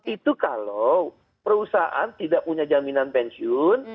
itu kalau perusahaan tidak punya jaminan pensiun